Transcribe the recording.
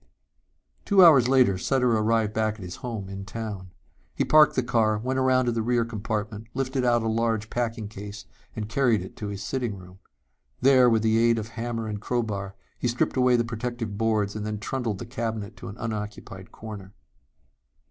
Two hours later Sutter arrived back at his home in town. He parked the car, went around to the rear compartment, lifted out a large packing case and carried it to his sitting room. There, with the aid of hammer and crowbar, he stripped away the protective boards and then trundled the cabinet to an unoccupied corner.